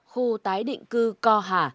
khu tái định cư co hà